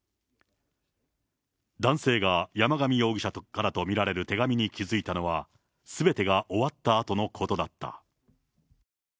男性が山上容疑者からと見られる手紙に気付いたのは、すべてが終わったあとのことだった。